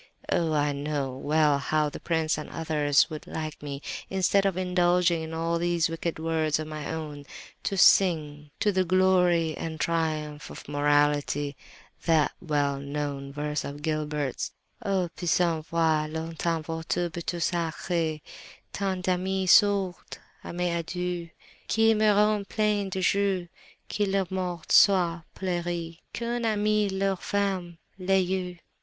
Oh! I know well how the prince and others would like me, instead of indulging in all these wicked words of my own, to sing, to the glory and triumph of morality, that well known verse of Gilbert's: "'O, puissent voir longtemps votre beauté sacrée Tant d'amis, sourds à mes adieux! Qu'ils meurent pleins de jours, que leur mort soit pleurée, Qu'un ami leur ferme les yeux!